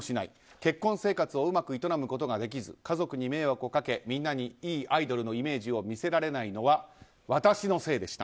結婚生活をうまく営むことができず家族に迷惑をかけ、みんなにいいアイドルのイメージを見せられないのは私のせいでした。